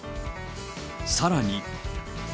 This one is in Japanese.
さらに。